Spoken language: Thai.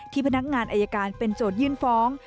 พนักงานอายการเป็นโจทยื่นฟ้อง